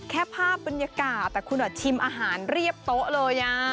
แค่ภาพบรรยากาศแต่คุณชิมอาหารเรียบโต๊ะเลย